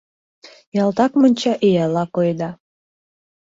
Ялтак монча ияла койыда.